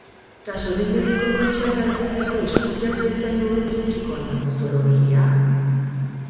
Gasolindegiko kotxeak garbitzeko eskuilak bezain urrun iritsiko al da mozorro berria?